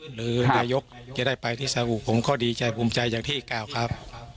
หรือนายกจะได้ไปที่สาอุผมก็ดีใจภูมิใจอย่างที่กล่าวครับ